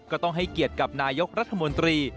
ก็ต้องให้เกียรติกับนายกรัฐมนตรี